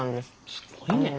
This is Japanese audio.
すごいね。